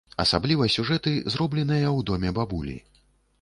Асабліва сюжэты, зробленыя ў доме бабулі.